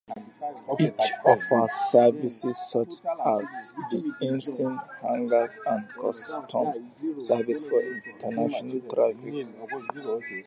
Each offers services such as de-icing, hangars and customs service for international traffic.